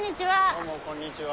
どうもこんにちは。